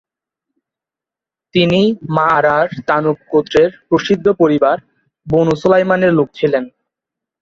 তিনি মা’আরার তানুখ গোত্রের প্রসিদ্ধ পরিবার, বনু সোলায়মানের লোক ছিলেন।